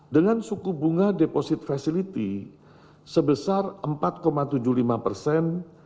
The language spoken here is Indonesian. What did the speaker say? dengan suku bunga deposit facility sebesar empat tujuh puluh lima persen